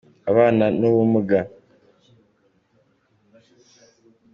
abana n'ubumuga.